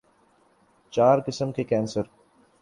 چار قسم کے کینسر